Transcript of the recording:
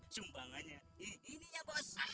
sumbangannya ini ya bos